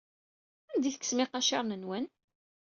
Anda ay tekksem iqaciren-nwen?